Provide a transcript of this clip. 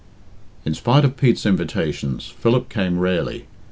In spite of Pete's invitations, Philip came rarely.